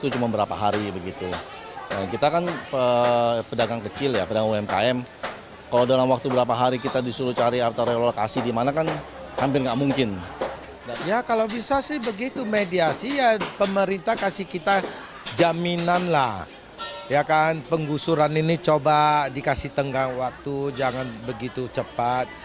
jangan begitu cepat